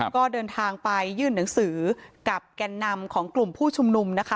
ก็เดินทางไปยื่นหนังสือกับแก่นนำของกลุ่มผู้ชุมนุมนะคะ